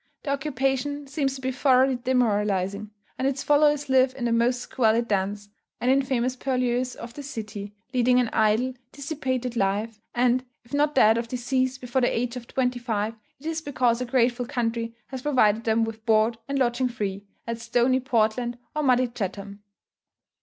The occupation seems to be thoroughly demoralizing; and its followers live in the most squalid dens and infamous purlieus of the city, leading an idle, dissipated life; and, if not dead of disease before the age of twenty five, it is because a grateful country has provided them with board and lodging free, at stony Portland or muddy Chatham.